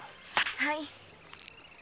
はい。